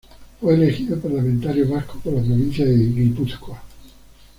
Fue elegido parlamentario vasco por la provincia de Guipúzcoa.